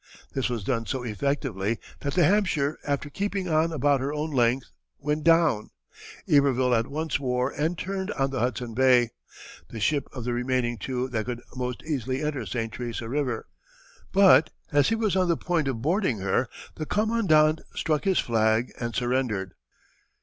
This was done so effectively that the Hampshire, after keeping on about her own length, went down. Iberville at once wore and turned on the Hudson Bay, the ship of the remaining two that could most easily enter St. Teresa River; but as he was on the point of boarding her, the commandant struck his flag and surrendered.